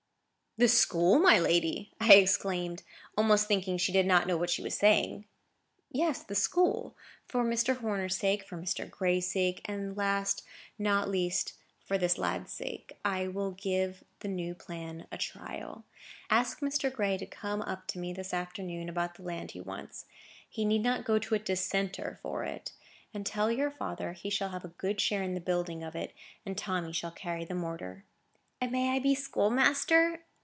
"The school, my lady?" I exclaimed, almost thinking she did not know what she was saying. "Yes, the school. For Mr. Horner's sake, for Mr. Gray's sake, and last, not least, for this lad's sake, I will give the new plan a trial. Ask Mr. Gray to come up to me this afternoon about the land he wants. He need not go to a Dissenter for it. And tell your father he shall have a good share in the building of it, and Tommy shall carry the mortar." "And I may be schoolmaster?"